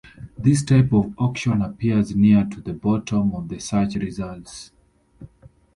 This type of auction appears near to the bottom of the search results.